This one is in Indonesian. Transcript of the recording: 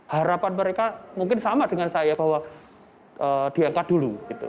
harapan mereka mungkin sama dengan saya bahwa diangkat dulu